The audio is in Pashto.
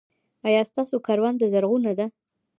ایا ستاسو کرونده زرغونه ده؟